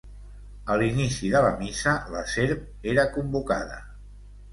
A l'inici de la missa la serp era convocada.